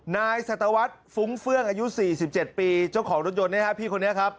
นายสัตวรรษฟุ้งเฟื่องอายุ๔๗ปีเจ้าของรถยนต์เนี่ยครับพี่คนนี้ครับ